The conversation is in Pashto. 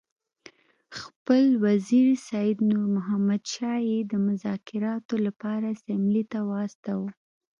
خپل وزیر سید نور محمد شاه یې د مذاکراتو لپاره سیملې ته واستاوه.